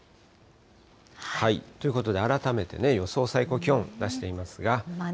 ということで、改めて予想最高気温、出してみますが。